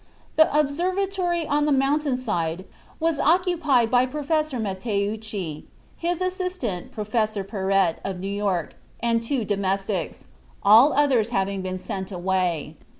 The observatory on the mountain side was occupied by Professor Matteucci, his assistant, Professor Perret, of New York, and two domestics, all others having been sent away.